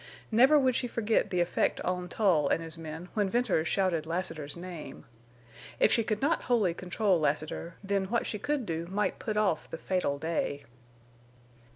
Never would she forget the effect on Tull and his men when Venters shouted Lassiter's name. If she could not wholly control Lassiter, then what she could do might put off the fatal day.